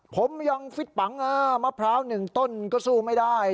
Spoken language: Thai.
ผมยังฟิตปังมะพร้าวหนึ่งต้นก็สู้ไม่ได้